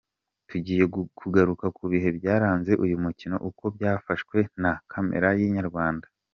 Tugiye kugaruka ku bihe byaranze uyu mukino uko byafashwe na 'Camera' ya inyarwanda.